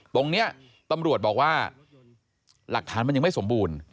ตรงนี้ตำรวจบอกว่าหลักฐานมันยังไม่สมบูรณ์